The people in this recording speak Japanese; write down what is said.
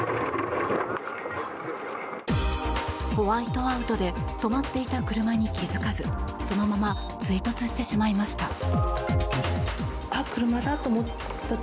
ホワイトアウトで止まっていた車に気付かずそのまま追突してしまいました。